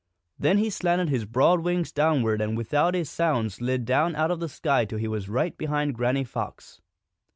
Then he slanted his broad wings downward and without a sound slid down out of the sky till he was right behind Granny Fox.